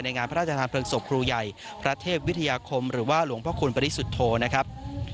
งานพระราชทานเพลิงศพครูใหญ่พระเทพวิทยาคมหรือว่าหลวงพระคุณปริสุทธโธนะครับ